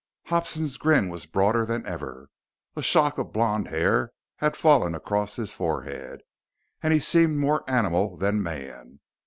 Hobson's grin was broader than ever. A shock of blond hair had fallen across his forehead, and he seemed more animal than man.